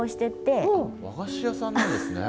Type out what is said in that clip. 和菓子屋さんなんですね。